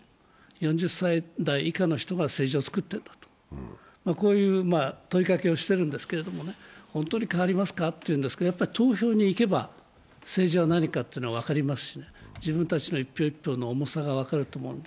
４０歳代以下の人が政治を作っているんだと、こういう問いかけをしてるんですけれども、本当に変わりますか？と言うんですけど、投票に行けば、政治は何かというのが分かりますし、自分たちの一票一票の重さが分かると思います。